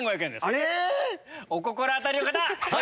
あれ⁉お心当たりの方！